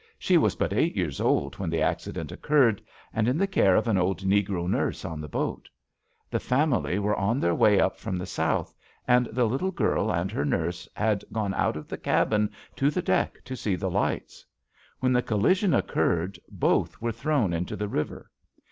She was but eight years old when the accident occurred, and in the care of an old negro nurse on the boat. The family were on their way up from the South, and the little girl and her nurse had gone out of the cabin to the deck to see the lights. When the collision occurred, both were thrown into the river.